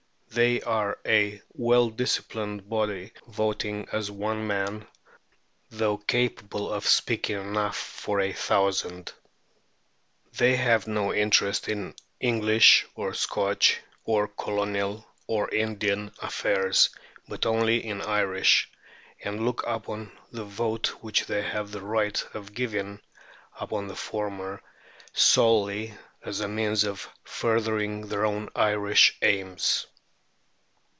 They are a well disciplined body, voting as one man, though capable of speaking enough for a thousand. They have no interest in English or Scotch or colonial or Indian affairs, but only in Irish, and look upon the vote which they have the right of giving upon the former solely as a means of furthering their own Irish aims.